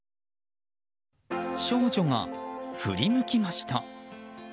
少女が振り向きました。